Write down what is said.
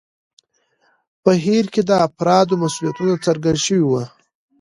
په هیر کې د افرادو مسوولیتونه څرګند شوي وو.